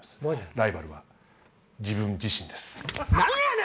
ライバルは自分自身です。